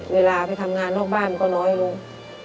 เวลาไปทำงานนอกบ้านมันก็น้อยลง